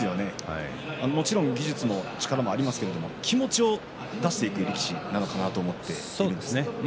もちろん技術も力もありますけど気持ちを出していく力士なのかなと思って見ています。